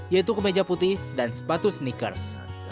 yaitu kemeja putih dan sepatu sneakers